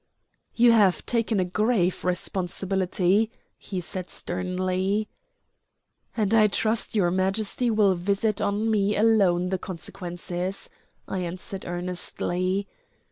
"You have taken a grave responsibility," he said sternly. "And I trust your Majesty will visit on me alone the consequences," I answered earnestly.